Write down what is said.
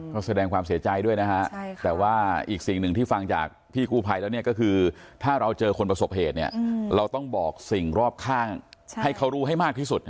ก็แสดงความเสียใจด้วยนะฮะแต่ว่าอีกสิ่งหนึ่งที่ฟังจากพี่กู้ภัยแล้วเนี่ยก็คือถ้าเราเจอคนประสบเหตุเนี่ยเราต้องบอกสิ่งรอบข้างให้เขารู้ให้มากที่สุด